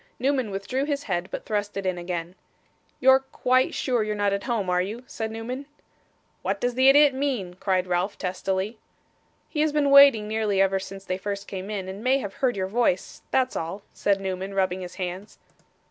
Newman withdrew his head, but thrust it in again. 'You're quite sure you're not at home, are you?' said Newman. 'What does the idiot mean?' cried Ralph, testily. 'He has been waiting nearly ever since they first came in, and may have heard your voice that's all,' said Newman, rubbing his hands.